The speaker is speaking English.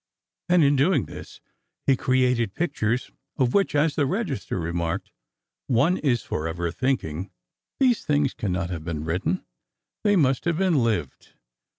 And in doing this, he created pictures of which, as the Register remarked, "one is forever thinking: 'These things cannot have been written, they must have been lived.